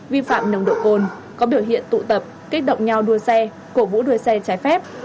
vi phạm nồng độ cồn có biểu hiện tụ tập kích động nhau đua xe cổ vũ đua xe trái phép